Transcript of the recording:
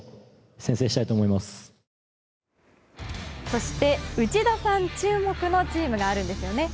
そして、内田さん注目のチームがあるんですよね。